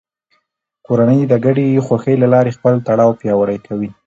کورنۍ د ګډې خوښۍ له لارې خپل تړاو پیاوړی کوي